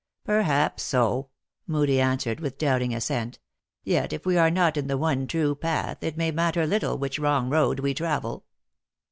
" Perhaps so," Moodie answered, with doubting as sent. " Yet if we are not in the one true path^ it may matter little which wrong road we travel."